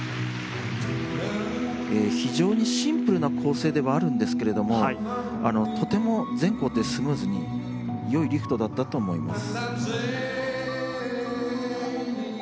非常にシンプルな構成ではあるんですけれどもとても全工程スムーズに良いリフトだったと思います。